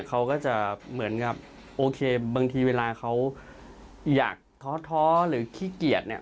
เขาก็จะเหมือนกับโอเคบางทีเวลาเขาอยากท้อหรือขี้เกียจเนี่ย